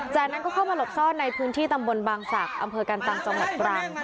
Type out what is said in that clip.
จากนั้นก็เข้ามาหลบซ่อนในพื้นที่ตำบลบางศักดิ์อำเภอกันตังจังหวัดตรัง